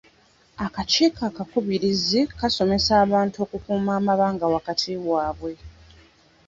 Akakiiko akakubirizi kaasomesa abantu okukuuma amabanga wakati waabwe.